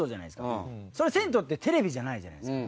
銭湯ってテレビじゃないじゃないですか。